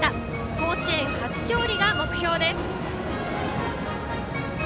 甲子園初勝利が目標です。